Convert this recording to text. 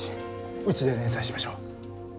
うちで連載しましょう。